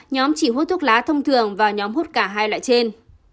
nhóm chỉ hút thuốc lá thông thường vào nhóm hút cả hai loại trên